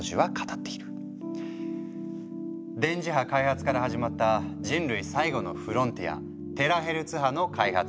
電磁波開発から始まった人類最後のフロンティア「テラヘルツ波」の開発。